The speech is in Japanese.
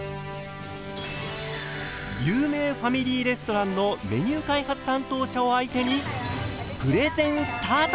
有名ファミリーレストランのメニュー開発担当者を相手にプレゼンスタート！